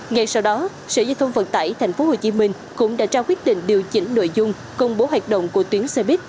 ngay sau đó sở giao thông vận tải tp hcm cũng đã trao quyết định điều chỉnh nội dung công bố hoạt động của tuyến xe buýt